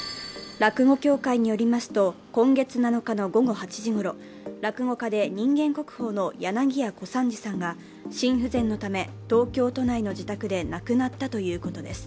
落語協会によりますと、今月７日の午後８時ごろ、落語家で人間国宝の柳家小三治さんが心不全のため、東京都内の自宅で亡くなったということです。